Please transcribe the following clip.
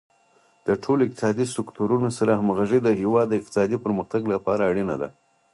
د ټولو اقتصادي سکتورونو سره همغږي د هیواد د اقتصادي پرمختګ لپاره اړینه ده.